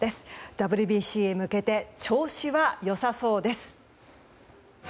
ＷＢＣへ向けて調子は良さそうです。